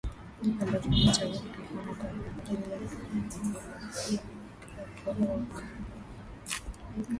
ambapo mitaani hujulikana kwa jina hilohilo crack au rock